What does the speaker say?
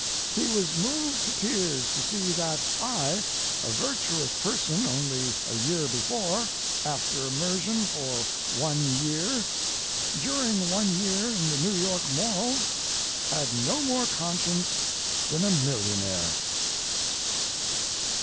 He was moved to tears to see that I, a virtuous person only a year before, after immersion for one year—during one year in the New York morals—had no more conscience than a millionaire.